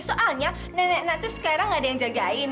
soalnya nenek nenek tuh sekarang nggak ada yang jagain